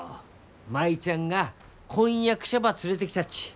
舞ちゃんが婚約者ば連れてきたっち。